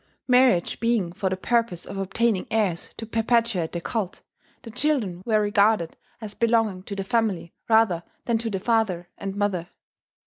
Marriage being for the purpose of obtaining heirs to perpetuate the cult, the children were regarded as belonging to the family rather than to the father and mother.